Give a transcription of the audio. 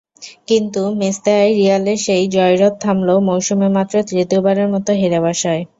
কিন্তু মেস্তায়ায় রিয়ালের সেই জয়রথ থামল মৌসুমে মাত্র তৃতীয়বারের মতো হেরে বসায়।